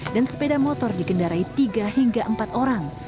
dan sepeda motor dikendarai tiga hingga empat orang